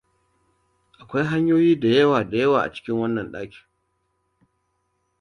Akwai hanyoyi da yawa da yawa a cikin wannan ɗakin.